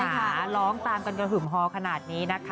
แล้วเพื่อนต้องตามกันกระถุ่มฮอล์ขนาดนี้นะค่ะ